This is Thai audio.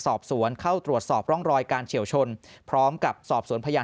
สอบสวนเข้าตรวจสอบร่องรอยการเฉียวชนพร้อมกับสอบสวนพยาน